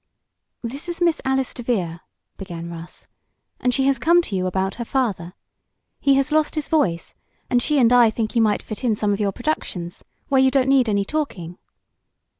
"This is Miss Alice DeVere," began Russ, "and she has come to you about her father. He has lost his voice, and she and I think he might fit in some of your productions, where you don't need any talking."